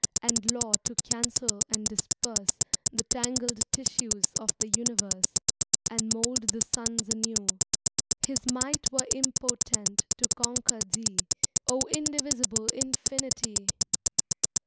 And law to cancel and disperse The tangled tissues of the universe. And mould the sims anew. His might were impotent to conquer thee, O indivisible infinity!